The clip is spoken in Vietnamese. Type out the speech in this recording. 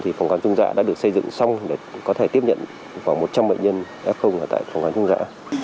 thì phòng khám trung dạ đã được xây dựng xong để có thể tiếp nhận khoảng một trăm linh bệnh nhân f ở tại phòng khám